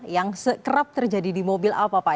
yang sekerap terjadi di mobil apa pak